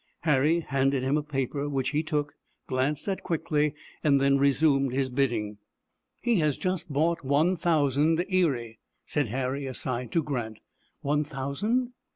Harry handed him a paper, which he took, glanced at quickly, and then resumed his bidding. "He has just bought one thousand Erie," said Harry, aside, to Grant. "One thousand?"